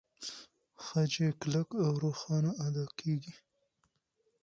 خج يې کلک او روښانه ادا کېږي.